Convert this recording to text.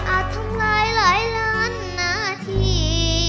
อัดทันลายหลายล้านนาที